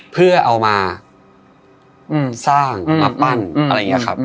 เพื่อเอามาสร้างมาปั้นอะไรอย่างนี้ครับ